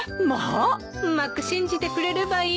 うまく信じてくれればいいけど。